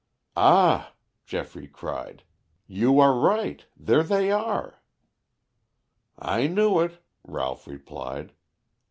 "Ah," Geoffrey cried, "you are right. There they are." "I knew it," Ralph replied.